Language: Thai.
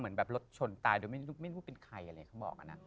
เหมือนแบบรถชนตายโดยไม่ได้พูดเป็นใครอะไรอย่างนี้เค้าบอกอะนะ